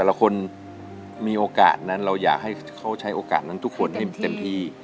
ละคนมีโอกาสนั้นเราอยากให้เขาใช้โอกาสนั้นทุกคนให้มันเต็มที่